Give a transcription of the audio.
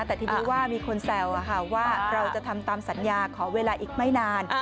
แต่ทีนี้ว่ามีคนแซวว่าเราจะทำตามสัญญาขอเวลาอีกไม่นาน